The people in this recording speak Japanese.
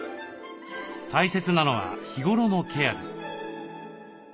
大切なのは日頃のケアです。